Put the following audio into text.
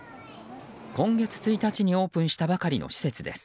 今月１日にオープンしたばかりの施設です。